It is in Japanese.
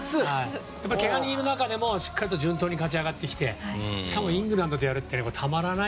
けが人がいる中でも順当に勝ち上がってきてしかもイングランドとやるっていうのがたまらない